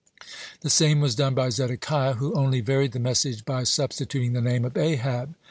The same was done by Zedekiah, who only varied the message by substituting the name of Ahab.